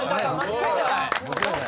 そうだよ。